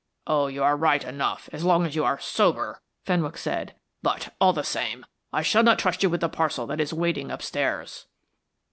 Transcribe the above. "Oh, you are right enough so long as you keep sober," Fenwick said. "But, all the same, I shall not trust you with the parcel that is waiting upstairs."